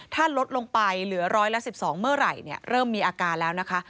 ถ้าลดลงไปเหลือร้อยละ๑๒เมื่อไหร่เริ่มมีอาการแล้วนะคะ